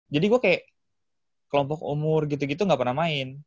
jadi gue kayak kelompok umur gitu gitu gak pernah main